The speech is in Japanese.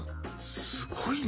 すごいね。